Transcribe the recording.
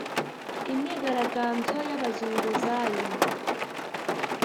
imyigaragambyo y’abazunguzayi